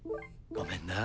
ごめんな。